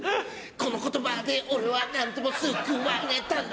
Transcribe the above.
この言葉で俺は何度も救われたんだ